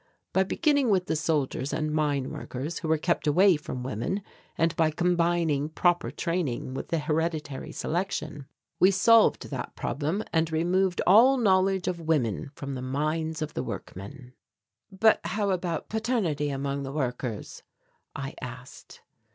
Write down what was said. By beginning with the soldiers and mine workers, who were kept away from women, and by combining proper training with the hereditary selection, we solved that problem and removed all knowledge of women from the minds of the workmen." "But how about paternity among the workers?" I asked.